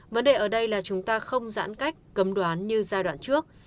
vấn đề ở đây là chúng ta không giãn cách cấm đoán như giai đoạn trước